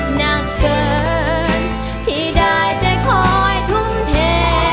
หนักเกินที่ได้ใจคอยทุ่มเท